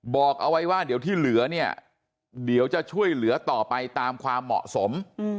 บอกเอาไว้ว่าเดี๋ยวที่เหลือเนี่ยเดี๋ยวจะช่วยเหลือต่อไปตามความเหมาะสม